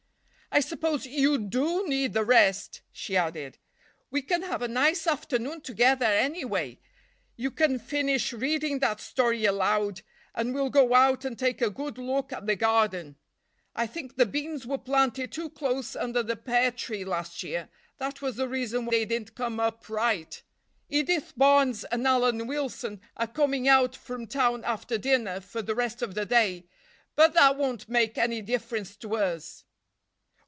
"I suppose you do need the rest," she added. "We can have a nice afternoon together, anyway. You can finish reading that story aloud, and we'll go out and take a good look at the garden. I think the beans were planted too close under the pear tree last year—that was the reason they didn't come up right. Edith Barnes and Alan Wilson are coming out from town after dinner for the rest of the day, but that won't make any difference to us."